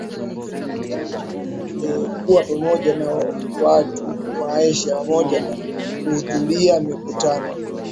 ekuwa pamoja na watu wa asia pamoja na kuhudhuria mikutano